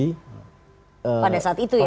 pada saat itu ya